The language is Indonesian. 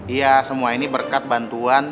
iya semua ini berkat bantuan